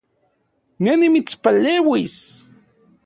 Ne nimitspaleuis